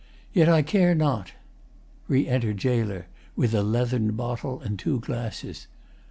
Yet I care not. [Re enter GAOLER with a leathern bottle and two glasses.